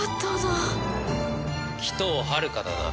鬼頭はるかだな？